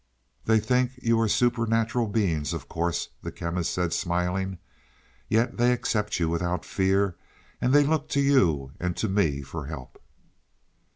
"They think you are supernatural beings of course," the Chemist said smiling. "Yet they accept you without fear and they look to you and to me for help."